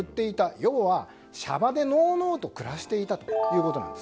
要はシャバでのうのうと暮らしていたということなんです。